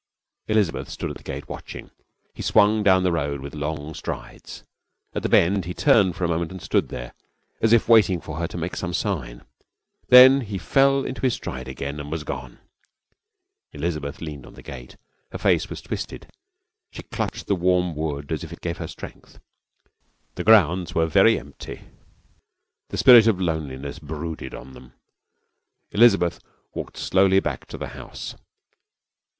Elizabeth stood at the gate, watching. He swung down the road with long strides. At the bend he turned and for a moment stood there, as if waiting for her to make some sign. Then he fell into his stride again and was gone. Elizabeth leaned on the gate. Her face was twisted, and she clutched the warm wood as if it gave her strength. The grounds were very empty. The spirit of loneliness brooded on them. Elizabeth walked slowly back to the house.